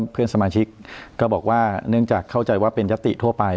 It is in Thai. เพื่อนสมาชิกก็บอกว่าเนื่องจากเข้าใจว่าเป็นยติทั่วไป